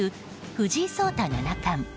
藤井聡太七冠。